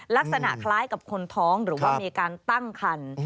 ลักษณะคล้ายกับคนท้องหรือว่ามีการตั้งคัน